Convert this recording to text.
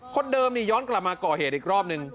คนเดิมนี่ย้อนกลับมาก่อเหตุอีกรอบนึง